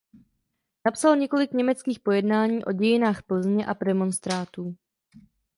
Napsal několik německých pojednání o dějinách Plzně a premonstrátů.